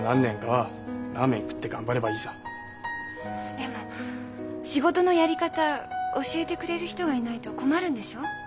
でも仕事のやり方教えてくれる人がいないと困るんでしょ？